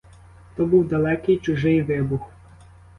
То був далекий, чужий вибух.